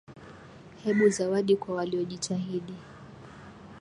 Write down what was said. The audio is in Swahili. Hebu zawadi kwa waliojitahidi.